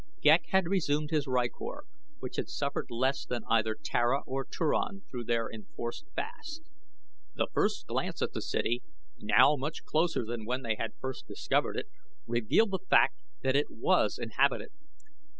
Ghek had resumed his rykor, which had suffered less than either Tara or Turan through their enforced fast. The first glance at the city, now much closer than when they had first discovered it, revealed the fact that it was inhabited.